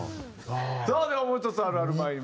さあではもう１つあるあるまいりましょう。